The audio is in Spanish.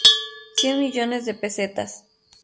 Cien millones de pesetas.